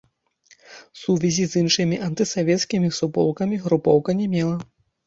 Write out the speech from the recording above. Сувязі з іншымі антысавецкімі суполкамі групоўка не мела.